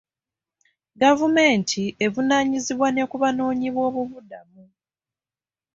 Gavumenti evunaanyizibwa ne ku banoonyiboobubudamu.